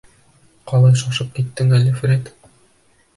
— Ҡалай шашып киттең әле, Фред.